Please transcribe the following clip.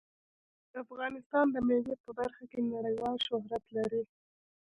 افغانستان د مېوې په برخه کې نړیوال شهرت لري.